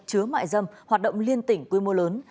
chứa mại dâm hoạt động liên tỉnh quy mô lớn